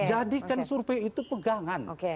jadikan survei itu pegangan